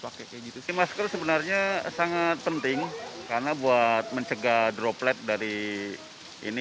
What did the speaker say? pakai kayak gitu sih masker sebenarnya sangat penting karena buat mencegah droplet dari ini